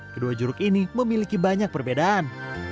kedua jeruk ini memiliki banyak perbedaan